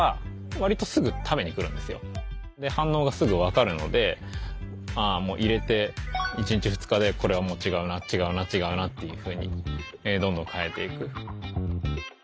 で反応がすぐ分かるので入れて１日２日でこれは違うな違うな違うなっていうふうにどんどん変えていく。